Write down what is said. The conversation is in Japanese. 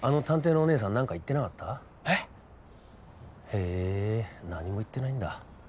へぇ何も言ってないんだ。